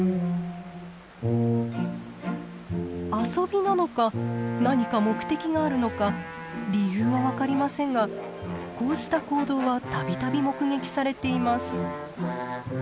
遊びなのか何か目的があるのか理由は分かりませんがこうした行動は度々目撃されています。